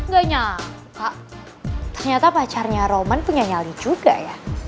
gak nyam ternyata pacarnya roman punya nyali juga ya